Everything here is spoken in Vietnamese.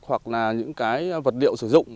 hoặc là những cái vật liệu sử dụng